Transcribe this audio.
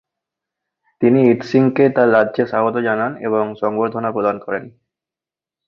তিনি ই-ৎসিঙকে তার রাজ্যে স্বাগত জানান এবং সংবর্ধনা প্রদান করেন।